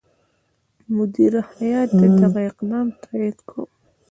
مدیره هیات دغه اقدام تایید کړ.